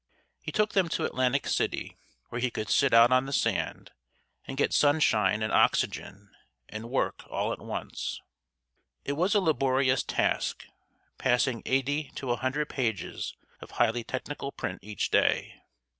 He took them to Atlantic City where he could "sit out on the sand, and get sunshine and oxygen, and work all at once." It was a laborious task, passing eighty to a hundred pages of highly technical print each day.